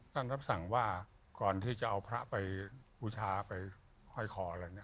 รับสั่งว่าก่อนที่จะเอาพระไปบูชาไปห้อยคออะไรเนี่ย